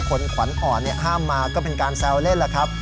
ขวัญอ่อนห้ามมาก็เป็นการแซวเล่นแล้วครับ